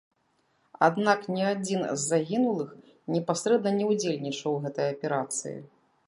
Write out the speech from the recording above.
Аднак ні адзін з загінулых непасрэдна не ўдзельнічаў у гэтай аперацыі.